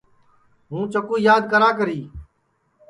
ہُوں چکُو یاد کراکری